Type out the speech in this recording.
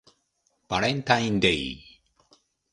バレンタインデー